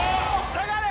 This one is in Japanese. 下がれ！